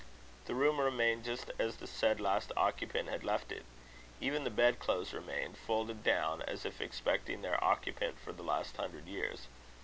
The room remained just as the said last occupant had left it. Even the bed clothes remained, folded down, as if expecting their occupant for the last hundred years.